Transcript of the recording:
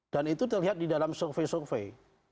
dan itu terlihat di dalam survei survei